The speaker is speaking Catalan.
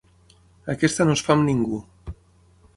Aquesta no es fa amb ningú.